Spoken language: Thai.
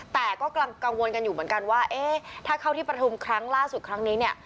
แต่ก็กังวลกันอยู่เหมือนกันว่าเอ๊ะถ้าเข้าที่ปฐุมครั้งล่าสุดครั้งนี้เนี่ย